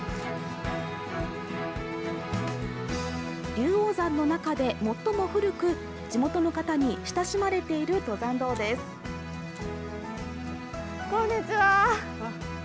竜王山の中で最も古く地元の方に親しまれている登山道ですこんにちは。